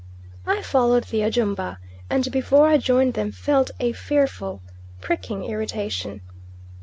I followed the Ajumba, and before I joined them felt a fearful pricking irritation.